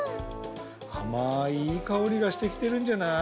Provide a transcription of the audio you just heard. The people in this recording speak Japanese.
あまいいいかおりがしてきてるんじゃない？